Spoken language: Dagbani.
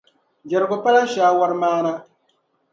Jɛrigu pala shaawari maana.